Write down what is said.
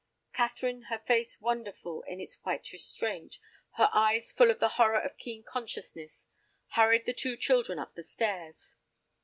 Catherine, her face wonderful in its white restraint, her eyes full of the horror of keen consciousness, hurried the two children up the stairs.